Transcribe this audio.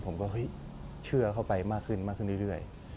ผมก็เชื่อเข้าไปมากขึ้นมากขึ้นเรื่อย